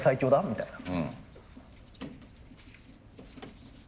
みたいな。